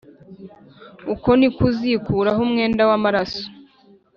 Uko ni ko uzikuraho umwenda w amaraso